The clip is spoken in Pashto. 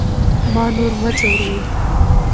ما نور مه ځوروئ